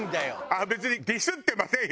あっ別にディスってませんよ。